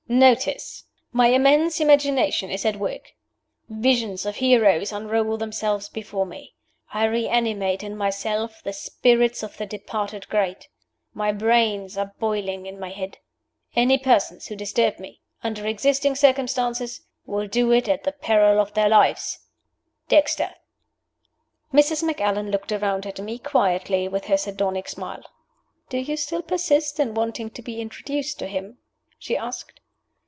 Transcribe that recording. "NOTICE. My immense imagination is at work. Visions of heroes unroll themselves before me. I reanimate in myself the spirits of the departed great. My brains are boiling in my head. Any persons who disturb me, under existing circumstances, will do it at the peril of their lives. DEXTER." Mrs. Macallan looked around at me quietly with her sardonic smile. "Do you still persist in wanting to be introduced to him?" she asked.